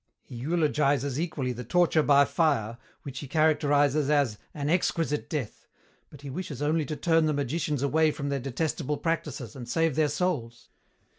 He eulogizes equally the torture by fire, which he characterizes as 'an exquisite death.' But he wishes only to turn the magicians away from their detestable practises and save their souls.